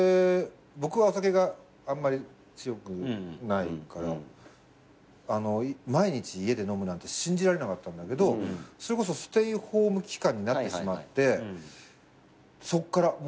僕はお酒があんまり強くないから毎日家で飲むなんて信じられなかったんだけどそれこそステイホーム期間になってしまってそっから。